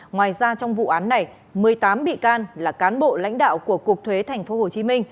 ngoài ra trong vụ án này một mươi tám bị can là cán bộ lãnh đạo của cục thuế tp hcm